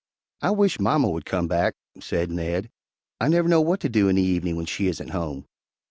"I wish mamma would come back," said Ned. "I never know what to do in the evening when she isn't home."